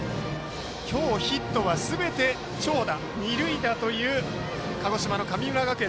今日、ヒットはすべて長打二塁打という鹿児島の神村学園。